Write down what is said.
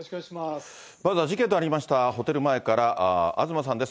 まずは事件のありましたホテル前から東さんです。